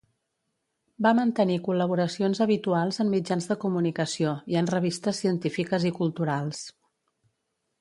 Va mantenir col·laboracions habituals en mitjans de comunicació, i en revistes científiques i culturals.